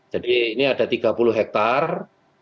jadi ini ada tiga puluh hektare